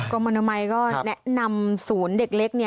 มณมัยก็แนะนำศูนย์เด็กเล็ก